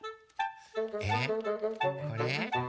えっこれ？